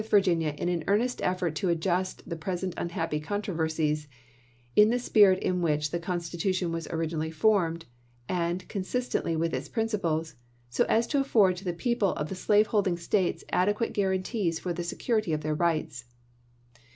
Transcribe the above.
Virginia in an earnest effort to adjust the present unhappy controversies, in the spirit in which the Constitution was originally formed, and consist ently with its principles, so as to afford to the people of the slave holding States adequate guar antees for the security of their rights."